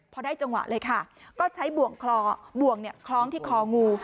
พอได้จังหวะเลยค่ะก็ใช้บ่วงคลองที่คลองู